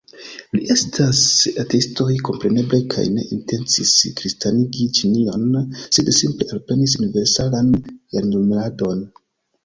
Ili estas ateistoj, kompreneble, kaj ne intencis kristanigi Ĉinion, sed simple alprenis universalan jarnumeradon.